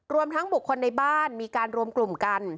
รวมทั้งบุคคลในบ้านมีการรวมกลุ่มกัน